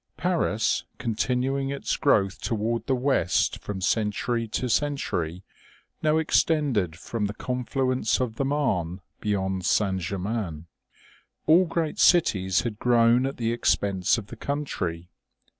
Paris, continuing its growth toward the west from century to century, now extended from the confluence of the Marne beyond St. Germain. All great cities had grown at the expense of the country.